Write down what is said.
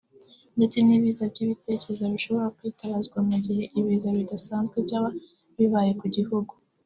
ndetse n’iz’ibitekerezo bishobora kwitabazwa mu gihe ibiza bidasanzwe byaba bibaye ku gihugu